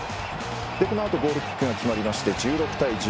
このあとゴールキックが決まりまして１６対１０。